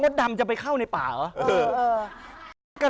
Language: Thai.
เบอร์๒ดำจะไปเข้าในป่าเหรอ